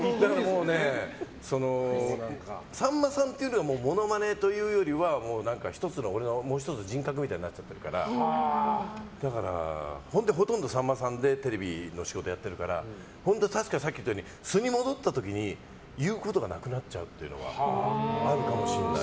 もうね、さんまさんのモノマネというよりは俺のもう１つの人格みたいになってるからほとんどさんまさんでテレビの仕事してるから本当に確かにさっき言ったように素に戻った時に言うことがなくなっちゃうのはあるかもしれない。